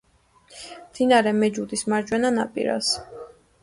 მდინარე მეჯუდის მარჯვენა ნაპირას.